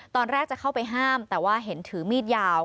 ตอนแรกจะเข้าไปห้ามแต่ว่าเห็นถือมีดยาว